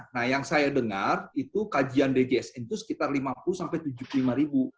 nah yang saya dengar itu kajian djsn itu sekitar lima puluh sampai tujuh puluh lima ribu